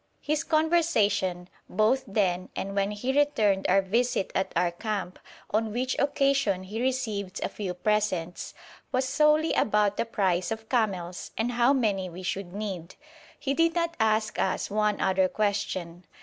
His conversation, both then and when he returned our visit at our camp, on which occasion he received a few presents, was solely about the price of camels and how many we should need. He did not ask us one other question.